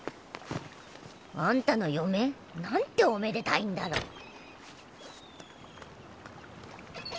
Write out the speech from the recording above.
あんたの嫁？なんておめでたいんだろ。